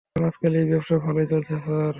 কারণ, আজকাল এই ব্যবসা ভালোই চলছে, স্যার।